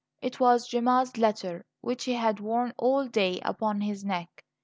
It was Gemma's letter, which he had worn all day upon his neck.